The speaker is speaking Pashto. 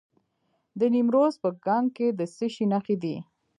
د نیمروز په کنگ کې د څه شي نښې دي؟